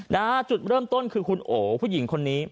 นะฮะจุดเริ่มต้นคือคุณโอผู้หญิงคนนี้